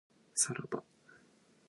いつまでも君は美しいよ